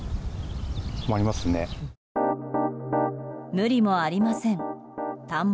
無理もありません。